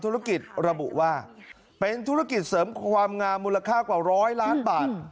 ธุรกิจระบุว่าเป็นธุรกิจเสริมความงามมูลค่ากว่าร้อยล้านบาท